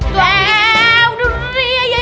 tuh aku bikin sendiri